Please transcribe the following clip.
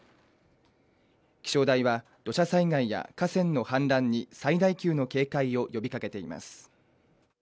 気象台は、土砂災害や河川の氾濫に最大級の警戒を呼びかけています。